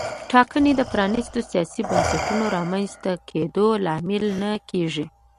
ټاکنې د پرانیستو سیاسي بنسټونو رامنځته کېدو لامل نه کېږي.